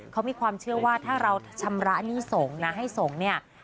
เขามีความเชื่อว่าถ้าเราชำระหนี้สงฆ์นะให้สงฆ์เนี่ย